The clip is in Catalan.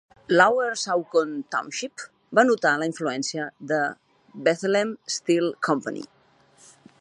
Lower Saucon Township va notar la influència de Bethlehem Steel Company.